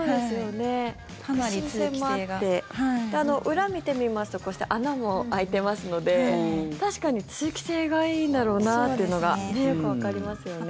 裏を見てみますとこうして穴も開いていますので確かに、通気性がいいんだろうなというのがよくわかりますよね。